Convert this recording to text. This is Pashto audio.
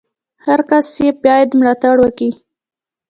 هر کس ئې بايد ملاتړ وکي!